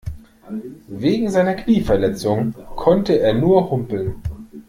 Wegen seiner Knieverletzung konnte er nur humpeln.